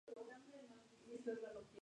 Fue adquirida por la Warner Bros.